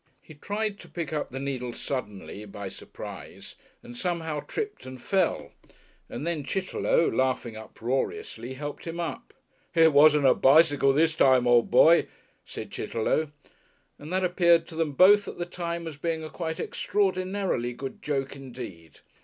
He tried to pick up the needle suddenly by surprise and somehow tripped and fell and then Chitterlow, laughing uproariously, helped him up. "It wasn't a bicycle this time, old boy," said Chitterlow, and that appeared to them both at the time as being a quite extraordinarily good joke indeed.